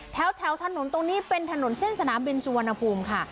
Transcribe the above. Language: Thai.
แถวถนนตรงนี้เป็นถนนเส้นสนามบินสุวรรณภูมิค่ะ